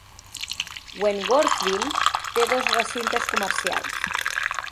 Wentworthville té dos recintes comercials.